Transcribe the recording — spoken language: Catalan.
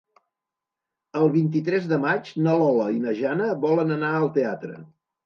El vint-i-tres de maig na Lola i na Jana volen anar al teatre.